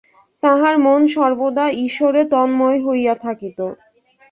তাঁহার মন সর্বদা ঈশ্বরে তন্ময় হইয়া থাকিত।